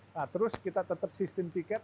nah terus kita tetap sistem tiket